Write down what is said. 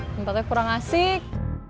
tempatnya kurang asik